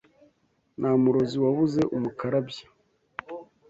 Nta murozi wabuze umukarabya